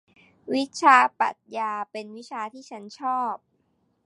วิชาปรัขญาเป็นวิชาที่ฉันชอบ